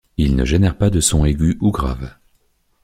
Il ne génère pas de son aigu ou grave.